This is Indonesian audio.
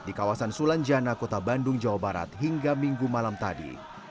di kawasan sulanjana kota bandung jawa barat hingga minggu malam tadi